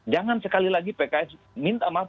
jangan sekali lagi pks minta maaf